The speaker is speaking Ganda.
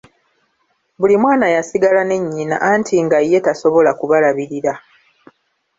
Buli mwana yasigala ne nnyina anti nga ye tasobola kubalabirira !